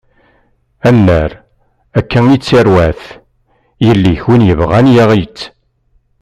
Annar, akka i yettarwat, yelli-k win yebɣun yaɣ-itt.